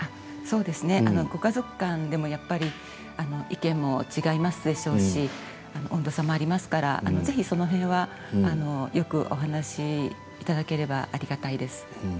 そうですねご家族間でもやっぱり意見も違いますでしょうし温度差もありますからぜひ、その辺はよくお話いただければありがたいです。